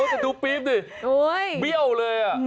โอ้แต่ดูปี๊บนี่เบี้ยวเลย